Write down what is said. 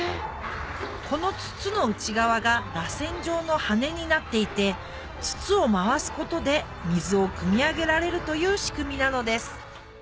この筒の内側がらせん状の羽根になっていて筒を回すことで水をくみ上げられるという仕組みなのです